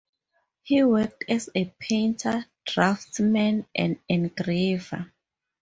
He worked as a painter, draftsman and engraver.